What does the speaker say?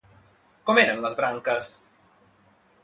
Com eren les branques?